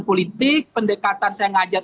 politik pendekatan saya mengajar